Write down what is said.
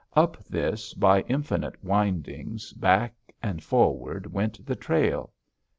Up this, by infinite windings, back and forward went the trail.